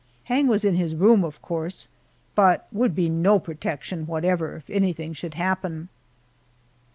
Hang was in his room, of course but would be no protection whatever if anything should happen.